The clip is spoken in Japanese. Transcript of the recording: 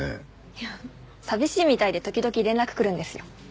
いや寂しいみたいで時々連絡来るんですよ。